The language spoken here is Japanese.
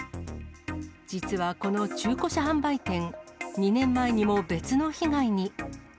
実はこの中古車販売店、２年前にも別の被害に。